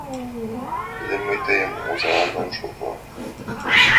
Таче мый тыйым озалан ом шотло!..